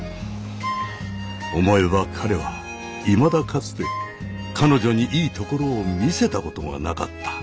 思えば彼はいまだかつて彼女にいいところを見せたことがなかった。